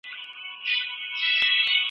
کتابخانې ته ورشئ او فهرست یې وګورئ.